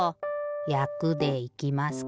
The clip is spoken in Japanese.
やくでいきますか。